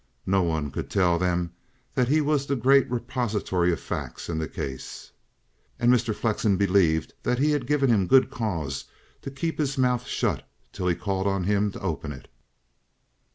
No one could tell them that he was the great repository of facts in the case, and Mr. Flexen believed that he had given him good cause to keep his mouth shut till he called on him to open it.